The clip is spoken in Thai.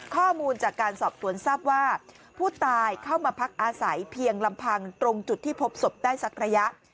ข้อมูลจากการสอบสวนทราบว่าผู้ตายเข้ามาพักอาศัยเพียงลำพังตรงจุดที่พบศพได้สักระยะ